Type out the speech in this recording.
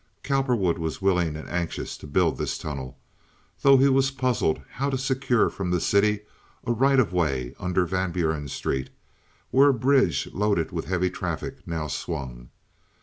Cowperwood was willing and anxious to build this tunnel, though he was puzzled how to secure from the city a right of way under Van Buren Street, where a bridge loaded with heavy traffic now swung.